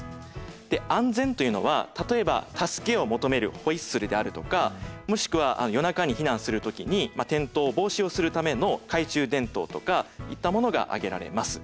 で安全というのは例えば助けを求めるホイッスルであるとかもしくは夜中に避難する時に転倒防止をするための懐中電灯とかいったものが挙げられます。